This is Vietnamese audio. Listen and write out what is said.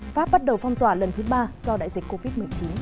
pháp bắt đầu phong tỏa lần thứ ba do đại dịch covid một mươi chín